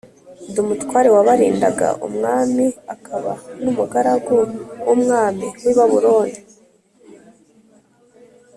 d umutware w abarindaga umwami akaba n umugaragu w umwami w i Babuloni